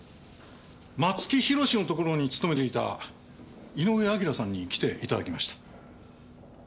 松木弘のところに勤めていた井上明さんに来て頂きました。